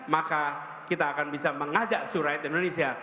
maka kita akan bisa mengajak surayat indonesia